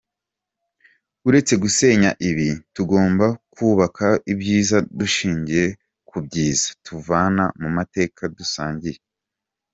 Uretse gusenya ibibi, tugomba kwubaka ibyiza dushingiye kubyiza tuvana mu mateka dusangiye.